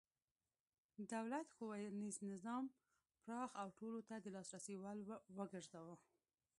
دولت ښوونیز نظام پراخ او ټولو ته د لاسرسي وړ وګرځاوه.